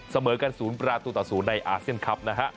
เสมอกัน๐ประตูต่อ๐ในอาเซียนคลับนะฮะ